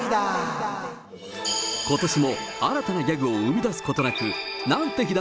ことしも新たにギャグを生み出すことなく、なんて日だ！